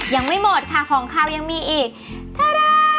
ยังไม่หมดค่ะของข้าวยังมีอีก